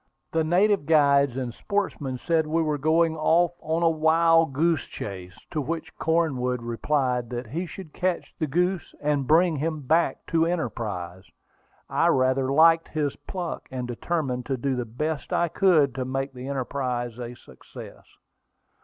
The native guides and sportsmen said we were going off on a "wild goose chase"; to which Cornwood replied that he should catch the goose and bring him back to Enterprise. I rather liked his pluck, and determined to do the best I could to make the enterprise a success.